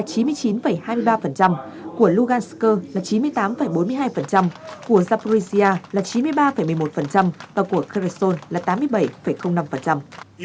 của lugansk là chín mươi tám bốn mươi hai của zaporizhia là chín mươi ba một mươi một và của kyrgyzstan là tám mươi bảy năm